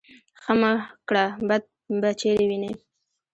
ـ ښه مه کړه بد به چېرې وينې.